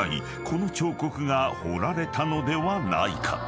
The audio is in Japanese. この彫刻が彫られたのではないか］